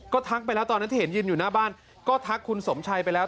ก็ทักไปแล้วตอนนั้นที่เห็นยืนอยู่หน้าบ้านก็ทักคุณสมชัยไปแล้ว